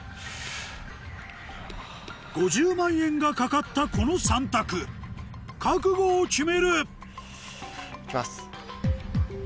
５０万円が懸かったこの３択覚悟を決める行きます。